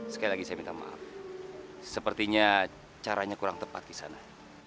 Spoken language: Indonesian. sekali lagi saya minta maaf sepertinya caranya kurang tepat di sana